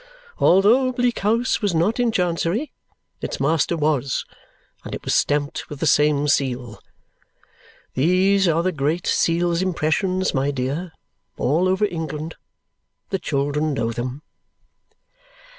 Although Bleak House was not in Chancery, its master was, and it was stamped with the same seal. These are the Great Seal's impressions, my dear, all over England the children know them!"